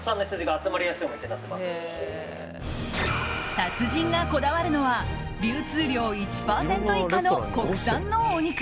達人がこだわるのは流通量１％以下の国産のお肉。